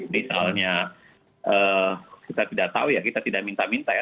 misalnya kita tidak tahu ya kita tidak minta minta ya